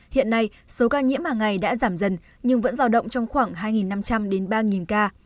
hiện nay số ca nhiễm hàng ngày đã giảm dần nhưng vẫn giao động trong khoảng hai năm trăm linh đến ba ca